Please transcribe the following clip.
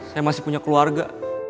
saya masih punya keluarga